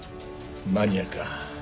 マニアか。